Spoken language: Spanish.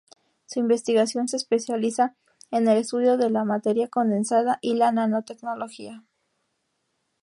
Su investigación se especializa en el estudio de la materia condensada y la nanotecnología.